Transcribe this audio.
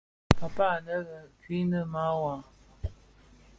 Paapaa anë lè Krine mawar.